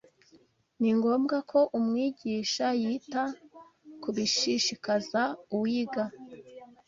ningombwa ko umwigisha yita ku bishishikaza uwiga.